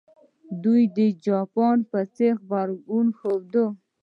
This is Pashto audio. دوی د جاپان په څېر غبرګون وښود.